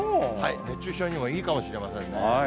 熱中症にもいいかもしれませんね。